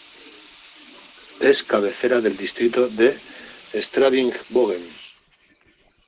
Es cabecera del distrito de Straubing-Bogen.